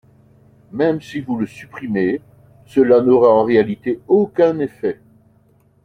Même si vous le supprimez, cela n’aura en réalité aucun effet.